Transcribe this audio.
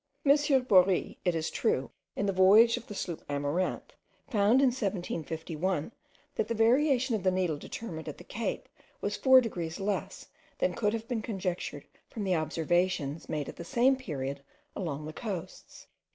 M. Bory, it is true, in the voyage of the sloop Amaranth, found in 1751, that the variation of the needle determined at the Cape was four degrees less than could have been conjectured from the observations made at the same period along the coasts.